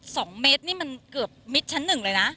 สองเมตรนี่มันเกือบมิดชั้นหนึ่งเลยนะ